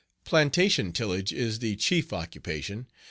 Plantation tillage is the chief occupation.